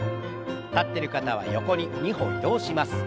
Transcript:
立ってる方は横に２歩移動します。